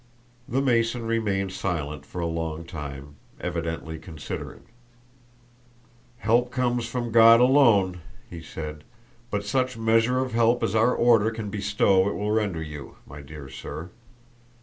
The Mason remained silent for a long time, evidently considering. "Help comes from God alone," he said, "but such measure of help as our Order can bestow it will render you, my dear sir.